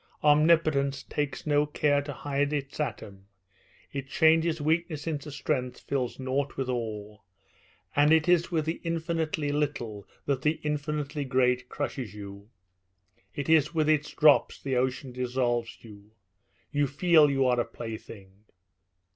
Omnipotence takes no care to hide its atom, it changes weakness into strength, fills naught with all; and it is with the infinitely little that the infinitely great crushes you. It is with its drops the ocean dissolves you. You feel you are a plaything.